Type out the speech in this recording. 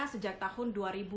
sejak tahun dua ribu dua